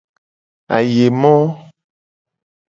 Ayemo.